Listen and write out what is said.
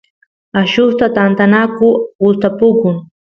allusta tantanaku gustapukun